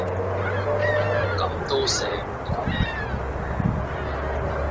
咁都射唔入